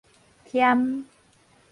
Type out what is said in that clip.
添